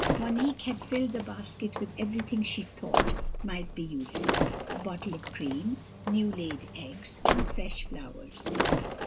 Monique had filled the basket with everything she thought might be useful a bottle of cream, new laid eggs, and fresh flowers.